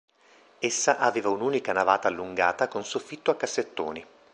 Essa aveva un'unica navata allungata con soffitto a cassettoni.